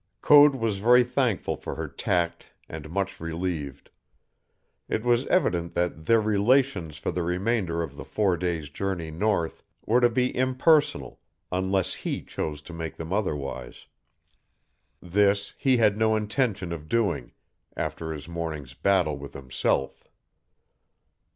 Code was very thankful for her tact and much relieved. It was evident that their relations for the remainder of the four days' journey north were to be impersonal unless he chose to make them otherwise. This he had no intention of doing after his morning's battle with himself.